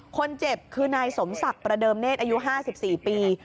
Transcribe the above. คนเจ็บคือนายสมศักดิ์ประเดิมเนธอายุ๕๔ปี